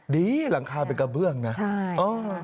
ดีหลังคาเป็นกระเบื้องนะใช่เออ